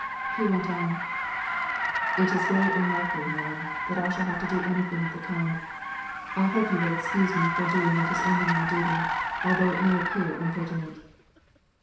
He went on: "It is very unlikely, ma'am, that I shall have to do anything of the kind. I hope you will excuse me for doing what is only my duty, although it may appear impertinent."